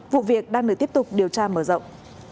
vụ việc đang được tiếp tục điều tra mở rộng